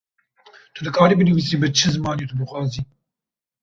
Tu dikarî binîvisî bi çi zimanî tu dixwazî.